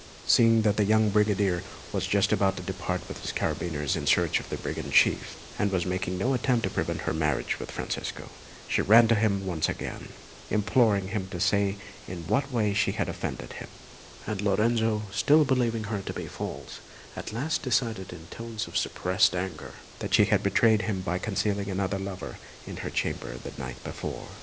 Seeing that the young brigadier was just about to depart with his carbineers in search of the brigand chief, and was making no attempt to prevent her marriage with Francesco, she ran to him once again, imploring him to say in what way she had offended him; and Lorenzo, still believing her to be false, at last declared in tones of suppressed anger that she had betrayed him by concealing another lover in her chamber the night before.